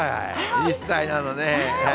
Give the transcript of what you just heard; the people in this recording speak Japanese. １歳なのね。